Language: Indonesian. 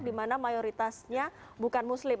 di mana mayoritasnya bukan muslim